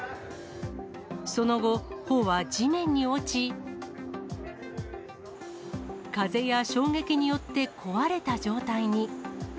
その後、帆は地面に落ち、風や衝撃によって壊れた状態に。